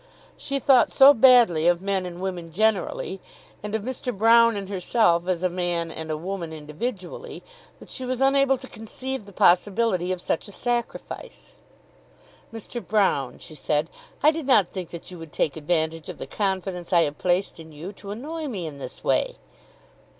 She thought so badly of men and women generally, and of Mr. Broune and herself as a man and a woman individually, that she was unable to conceive the possibility of such a sacrifice. "Mr. Broune," she said, "I did not think that you would take advantage of the confidence I have placed in you to annoy me in this way."